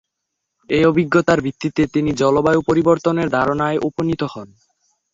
এই অভিজ্ঞতার ভিত্তিতে তিনি জলবায়ু পরিবর্তনের ধারণায় উপনীত হন।